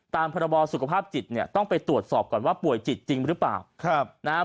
ตามพบสุขภาพจิตต้องไปตรวจสอบก่อนว่าป่วยจิตจริงหรือเปล่า